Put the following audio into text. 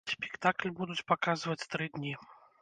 Спектакль будуць паказваць тры дні.